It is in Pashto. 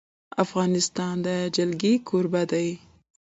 افغانستان د جلګه کوربه دی.